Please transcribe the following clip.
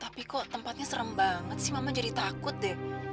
tapi kok tempatnya serem banget sih mama jadi takut deh